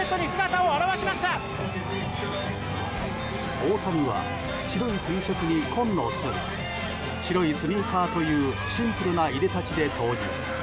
大谷は白いＴシャツ紺のスーツ白いスニーカーというシンプルないでたちで登場。